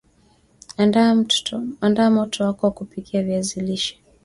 andaa moto wako wa kupikia viazi lishe